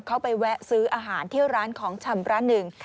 เขาไปแวะซื้ออาหารที่ร้านของชำร้านหนึ่ง